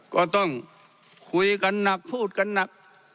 ก็ต้องคุยกันหนักพูดกันหนัก